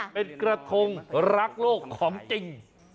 เป็นกระทงรักโลกของจริง